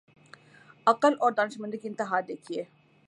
عقل اور دانشمندی کی انتہا دیکھیے۔